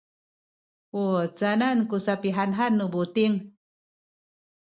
u canan ku sapihanhan nu buting?